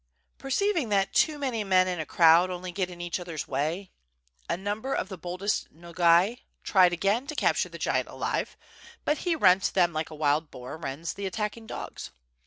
Perceiving that too many men in a crowd only get in each other^s way, a number of the boldest Nogais tried again to capture the giant alive; but he rent them^like a wild boar rends the attacking dogs.